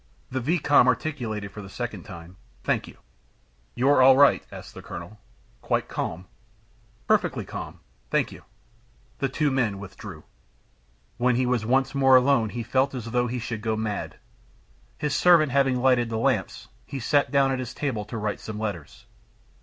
The vicomte articulated for the second time: "Thank you." "You're all right?" asked the colonel. "Quite calm?" "Perfectly calm, thank you." The two men withdrew. When he was once more alone he felt as though he should go mad. His servant having lighted the lamps, he sat down at his table to write some letters.